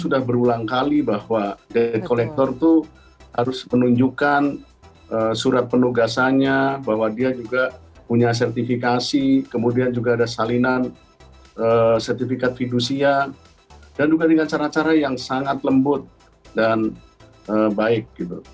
sudah berulang kali bahwa debt collector itu harus menunjukkan surat penugasannya bahwa dia juga punya sertifikasi kemudian juga ada salinan sertifikat fidusia dan juga dengan cara cara yang sangat lembut dan baik